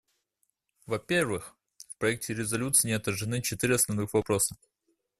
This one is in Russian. Во-первых, в проекте резолюции не отражены четыре основных вопроса.